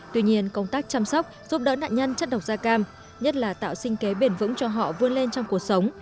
tuy nhiên công tác chăm sóc giúp đỡ nạn nhân chất độc da cam nhất là tạo sinh kế bền vững cho họ vươn lên trong cuộc sống